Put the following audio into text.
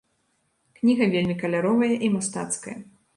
Кніга вельмі каляровая і мастацкая.